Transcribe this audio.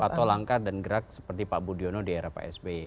atau langkah dan gerak seperti pak budiono di era pak sby